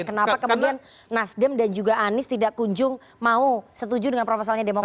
kenapa kemudian nasdem dan juga anies tidak kunjung mau setuju dengan proposalnya demokrat